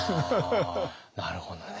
なるほどね。